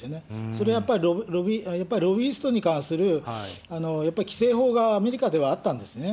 それはやっぱり、ロビイストに関するやっぱり規正法がアメリカではあったんですね。